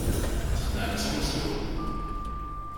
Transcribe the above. Txedɛem tamurt-nwen.